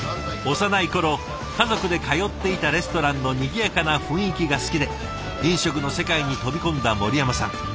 幼い頃家族で通っていたレストランのにぎやかな雰囲気が好きで飲食の世界に飛び込んだ森山さん。